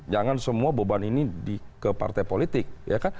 jangan semua beban ini ke partai politik ya kan